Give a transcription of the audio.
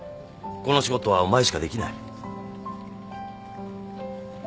この仕事はお前しかできない